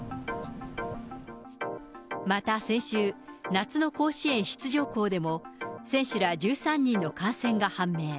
また先週、夏の甲子園出場校でも、選手ら１３人の感染が判明。